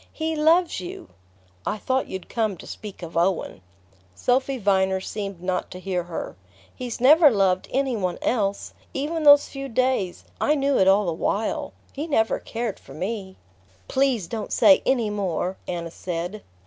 He loves you!" "I thought you'd come to speak of Owen." Sophy Viner seemed not to hear her. "He's never loved any one else. Even those few days...I knew it all the while ... he never cared for me." "Please don't say any more!" Anna said.